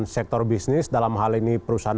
sektor bisnis dalam hal ini perusahaan